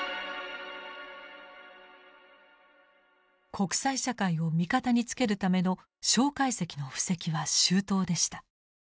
国際社会を味方につけるための介石の布石は周到でした。